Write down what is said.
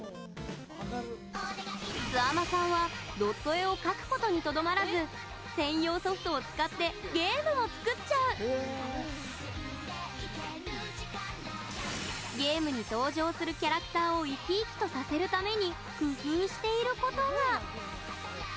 すあまさんは、ドット絵を描くことにとどまらずゲームに登場するキャラクターを生き生きとさせるために工夫していることが。